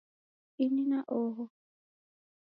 Ini na oho